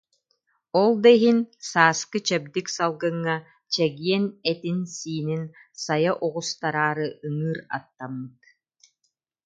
Ол да иһин, сааскы чэбдик салгыҥҥа чэгиэн этинсиинин сайа оҕустараары ыҥыыр аттаммыт